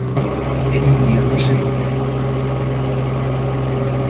el indio no se movió.